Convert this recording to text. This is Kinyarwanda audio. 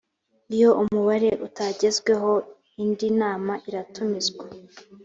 iyo umubare utagezweho indi nama iratumizwa